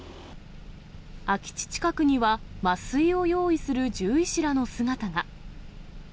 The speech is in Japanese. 空き地近くには麻酔を用意する獣医師らの姿が。